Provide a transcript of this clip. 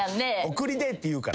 「送りで」って言うから。